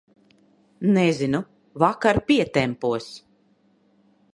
Nezinu, vakar pietempos.